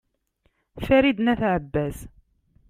farid n at abbas